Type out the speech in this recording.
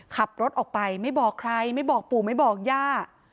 ขับรถออกไปไม่บอกใครไม่บอกปู่ไม่บอกย่า